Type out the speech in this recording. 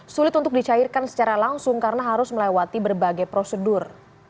sulit untuk dicairkan secara langsung karena harus melewati berbagai prosedur